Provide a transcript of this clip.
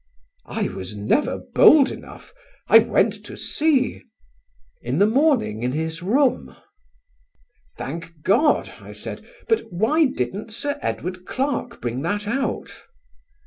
I was never bold enough. I went to see in the morning in his room." "Thank God," I said, "but why didn't Sir Edward Clarke bring that out?"